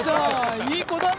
いい子だね。